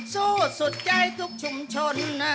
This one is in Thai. สู้สุดใจทุกชุมชนนะ